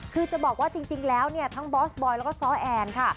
คือจะบอกว่าจริงแล้วเนี่ยทั้งบอสบอยแล้วก็ซ้อแอนค่ะ